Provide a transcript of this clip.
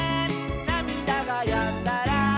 「なみだがやんだら」